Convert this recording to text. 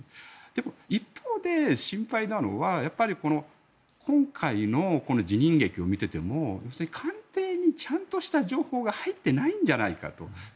でも一方で心配なのは今回の辞任劇を見てても官邸にちゃんとした情報が入ってないんじゃないかと。